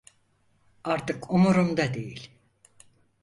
Artık umurumda değil.